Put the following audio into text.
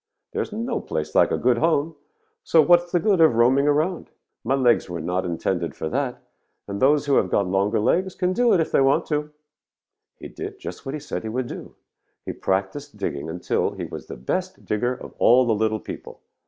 There is no place like a good home, so what is the good of roaming around? My legs were not intended for that, and those who have got longer legs can do it if they want to.' "He did just what he said he would do. He practised digging until he was the best digger of all the little people.